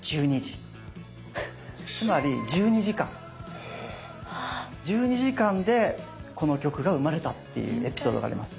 つまり１２時間１２時間でこの曲が生まれたっていうエピソードがあります。